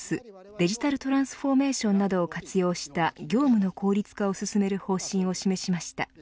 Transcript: デジタルトランスフォーメーションなどを活用した業務の効率化を進める方針を示しました。